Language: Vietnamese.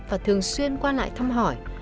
và thường xuyên qua lại thăm hỏi